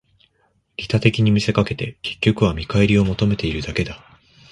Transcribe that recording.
利他的に見せかけて、結局は見返りを求めているだけだ